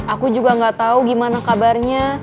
aku juga gak tahu gimana kabarnya